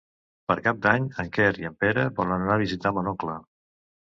Per Cap d'Any en Quer i en Pere volen anar a visitar mon oncle.